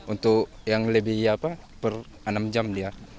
untuk yang lebih per enam jam dia